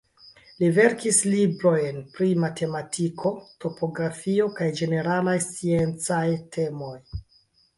Li verkis librojn pri matematiko, topografio kaj ĝeneralaj sciencaj temoj.